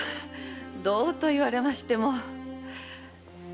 どうと言われましても。